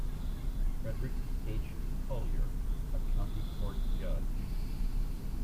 Frederick H. Collier, a county court judge.